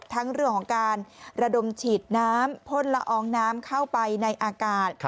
ทั้งเรื่องของการระดมฉีดน้ำพ่นละอองน้ำเข้าไปในอากาศ